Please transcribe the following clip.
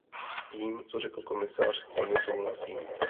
S tím, co řekl komisař, plně souhlasím.